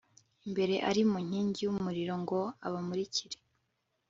imbere ari mu nkingi y umuriro ngo abamurikire